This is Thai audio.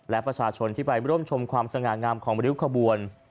และประชาชนที่ไปร่วมชมความสง่างามของริ้วขบวน